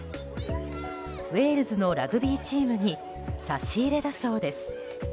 ウェールズのラグビーチームに差し入れだそうです。